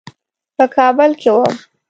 په کابل کې وم.